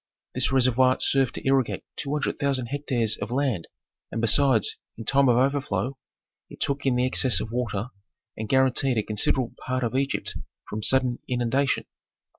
This reservoir served to irrigate two hundred thousand hectares of land, and besides, in time of overflow, it took in the excess of water and guaranteed a considerable part of Egypt from sudden inundation.